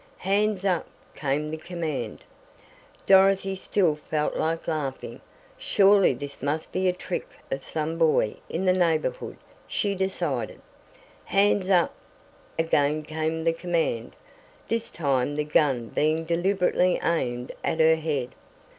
"Hands up!" came the command. Dorothy still felt like laughing. Surely this must be a trick of some boy in the neighborhood, she decided. "Hands up!" again came the command, this time the gun being deliberately aimed at her head!